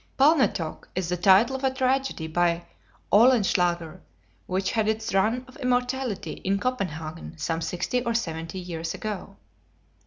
Palnatoke is the title of a tragedy by Oehlenschlager, which had its run of immortality in Copenhagen some sixty or seventy years ago.